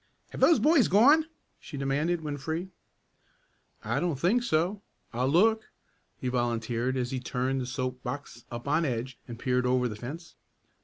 "Have those boys gone?" she demanded when free. "I don't think so. I'll look," he volunteered as he turned the soap box up on edge and peered over the fence.